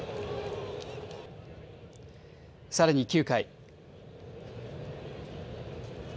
さらに９回。